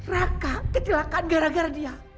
raka kecelakaan gara gara dia